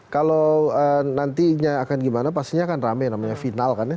kalau nantinya akan gimana pastinya akan rame namanya final kan ya